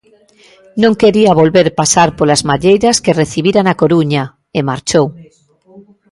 Non quería volver pasar polas malleiras que recibira na Coruña e marchou.